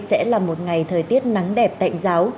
sẽ là một ngày thời tiết nắng đẹp tạnh giáo